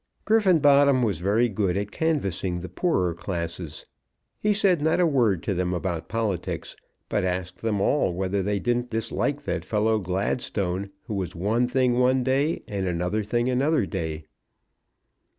Griffenbottom was very good at canvassing the poorer classes. He said not a word to them about politics, but asked them all whether they didn't dislike that fellow Gladstone, who was one thing one day and another thing another day.